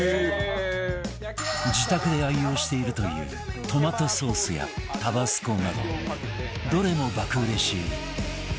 自宅で愛用しているというトマトソースやタバスコなどどれも爆売れし